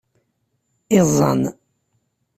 Iẓẓan.